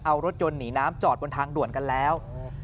เอารถยนต์หนีน้ำจอดบนทางด่วนกันแล้ว